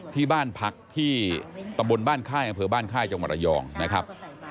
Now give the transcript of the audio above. ที่บ้านพักที่ตำบลบ้านค่ายอำเภอบ้านค่ายจังหวัดระยองนะครับ